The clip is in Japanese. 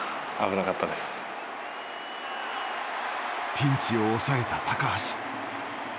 ピンチを抑えた橋。